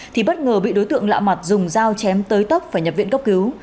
thì bất ngờ bị đối tượng lạ mặt dùng dao chém tới tấp phải nhập viện cấp cứu